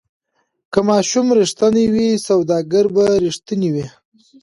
که ماشوم ریښتینی وي سوداګر به ریښتینی وي.